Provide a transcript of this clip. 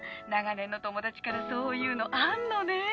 長年の友達からそういうのあんのね。